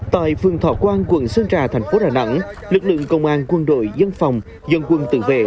tại phường thọ quang quận sơn trà thành phố đà nẵng lực lượng công an quân đội dân phòng dân quân tự vệ